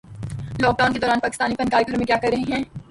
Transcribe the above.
lock Dawn کے دوران پاکستانی فنکار گھروں میں کیا کررہے ہیں